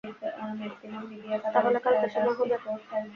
তাহলে কালকে সময় হবে?